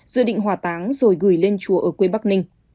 dự định hòa táng rồi gửi lên chùa ở quê bắc ninh